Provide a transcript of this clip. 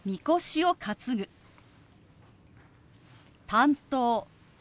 「担当」。